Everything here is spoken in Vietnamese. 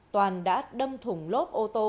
toàn đã đâm thùng lốp ô tô